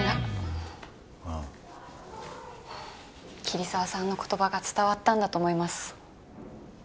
桐沢さんの言葉が伝わったんだと思います。